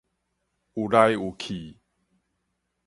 有來有去